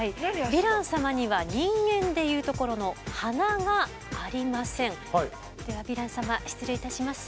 ヴィラン様には人間で言うところのではヴィラン様失礼いたします。